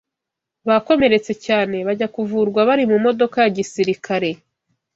bakomeretse cyane bajya kuvurwa bari mu modoka ya gisirikare